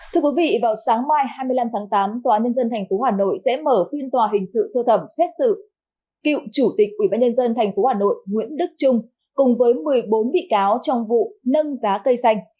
thưa quý vị vào sáng mai hai mươi năm tháng tám tòa nhân dân tp hà nội sẽ mở phiên tòa hình sự sơ thẩm xét xử cựu chủ tịch ubnd tp hà nội nguyễn đức trung cùng với một mươi bốn bị cáo trong vụ nâng giá cây xanh